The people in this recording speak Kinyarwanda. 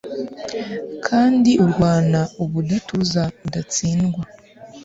kandi urwana ubudatuza udatsindwa